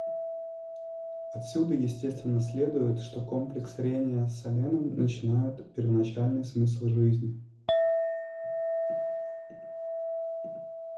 Отсюда естественно следует, что комплекс рения с саленом начинает первоначальный смысл жизни.